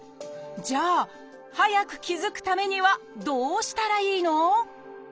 じゃあ早く気付くためにはどうしたらいいの？